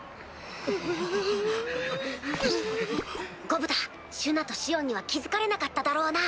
ゴブタシュナとシオンには気付かれなかっただろうな？